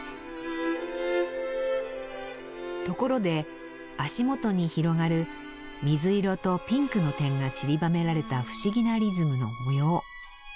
ところで足元に広がる水色とピンクの点がちりばめられた不思議なリズムの模様。